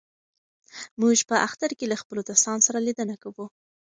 موږ په اختر کې له خپلو دوستانو سره لیدنه کوو.